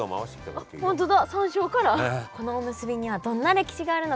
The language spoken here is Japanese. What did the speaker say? このおむすびにはどんな歴史があるのか。